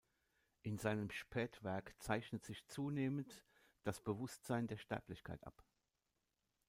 In seinem Spätwerk zeichnet sich zunehmend das Bewusstsein der Sterblichkeit ab.